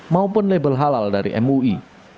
maupun label halal dari mui